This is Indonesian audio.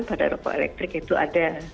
pada rokok elektrik itu ada